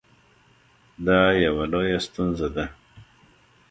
دا یوه لویه ستونزه ده